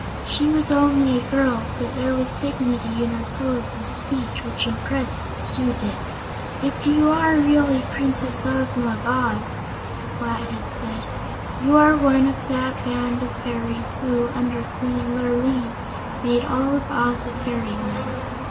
She was only a girl, but there was dignity in her pose and speech which impressed the Su dic. "If you are really Princess Ozma of Oz," the Flathead said, "you are one of that band of fairies who, under Queen Lurline, made all Oz a Fairyland.